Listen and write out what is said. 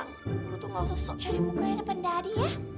lepas itu gak usah sok cari muka depan daddy ya